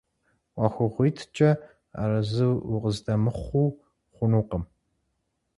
ӀуэхугъуитӀкӀэ арэзы укъыздэмыхъуу хъунукъым.